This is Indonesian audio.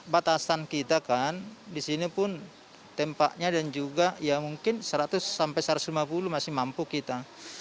batasan kita kan di sini pun tempatnya dan juga ya mungkin seratus sampai satu ratus lima puluh masih mampu kita